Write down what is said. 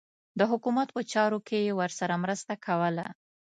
د حکومت په چارو کې یې ورسره مرسته کوله.